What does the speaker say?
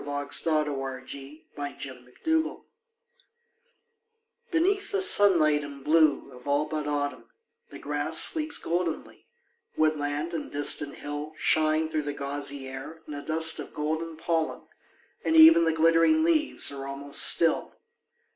On Hampstead Heath 21 ON HAMPSTEAD HEATH BENEATH the sunlight and blue of ail but Autumn The grass sleeps goldenly ; woodland and distant hill Shine through the gauzy air in a dust of golden pollen, And even the glittering leaves are almost still.